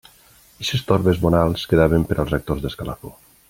Eixes torbes morals quedaven per als rectors d'escalafó.